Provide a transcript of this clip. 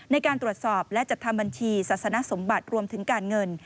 ในการตรวจสอบและจัดทำบัญชีศาสนสมบัติรวมถึงการเงิน